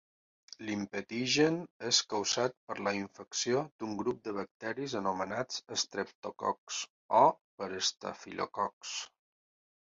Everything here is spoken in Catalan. L'impetigen és causat per la infecció d'un grup de bacteris anomenats estreptococs, o per estafilococs.